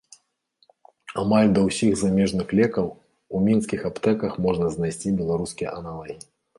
Амаль да ўсіх замежных лекаў у мінскіх аптэках можна знайсці беларускія аналагі.